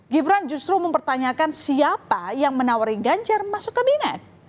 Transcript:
gibran justru mempertanyakan siapa yang menawari ganjar masuk kabinet